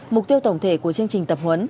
mục tiêu tổng thể của chương trình tập huấn